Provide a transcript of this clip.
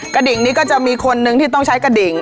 ดิ่งนี้ก็จะมีคนนึงที่ต้องใช้กระดิ่ง